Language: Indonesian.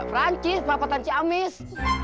perancis perapatan ciamis